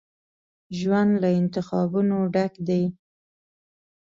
ژوند له انتخابونو ډک دی.